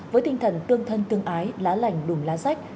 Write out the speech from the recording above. với tinh thần tương thân tương ái lá lành đùm lá rách